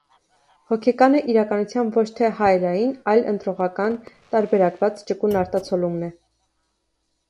Հոգեկանը իրականության ոչ թե հայելային, այլ ընտրողական, տարբերակված, ճկուն արտացոլումն է։